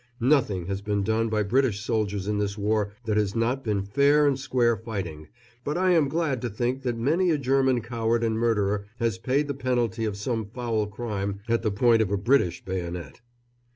Nothing has been done by British soldiers in this war that has not been fair and square fighting, but I am glad to think that many a German coward and murderer has paid the penalty of some foul crime at the point of a British bayonet.